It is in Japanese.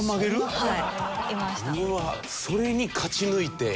はい。